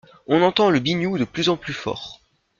On entend le biniou de plus en plus fort.